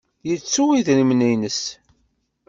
Yettu idrimen-nnes?